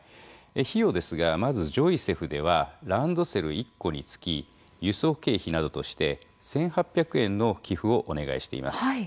費用ですがまずジョイセフではランドセル１個につき輸送経費などとして１，８００円の寄付をお願いしています。